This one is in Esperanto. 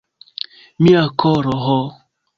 Mia koro, ho!